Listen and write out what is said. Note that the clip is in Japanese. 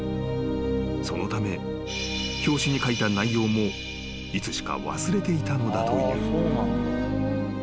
［そのため表紙に書いた内容もいつしか忘れていたのだという］